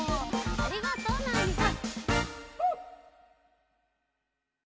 ありがとうナーニさん。